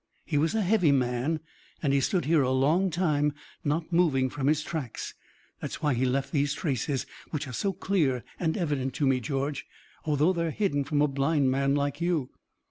"He was a heavy man, and he stood here a long time, not moving from his tracks. That's why he left these traces, which are so clear and evident to me, George, although they're hidden from a blind man like you."